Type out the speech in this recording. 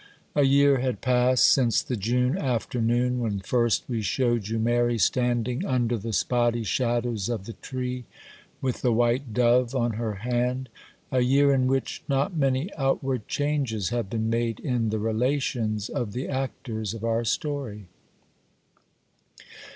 A year had passed since the June afternoon when first we showed you Mary standing under the spotty shadows of the tree, with the white dove on her hand,—a year in which not many outward changes have been made in the relations of the actors of our story.